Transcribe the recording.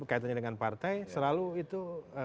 kaitannya dengan partai selalu itu